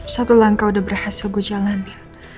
satu langkah udah berhasil gue jalanin